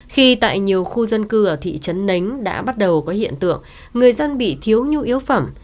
khi tại nhiều khu dân cư ở thị trấn nánh đã bắt đầu có hiện tượng người dân bị thiếu nhu yếu phẩm